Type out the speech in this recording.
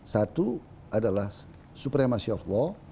satu adalah supremasi of law